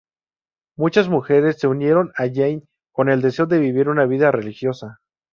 Muchas mujeres se unieron a Jeanne con el deseo de vivir una vida religiosa.